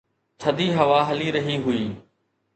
ٿڌي هوا هلي رهي هئي